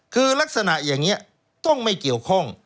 คือลักษณะอย่างนี้ต้องไม่เกี่ยวข้อง